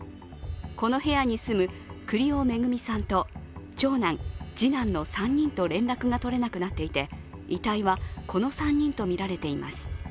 この部屋に住む栗尾惠さんと長男、次男の３人と連絡が取れなくなっていて遺体はこの３人とみられています。